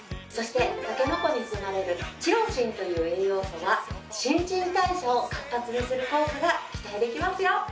そしてたけのこに含まれるチロシンという栄養素は新陳代謝を活発にする効果が期待できますよ。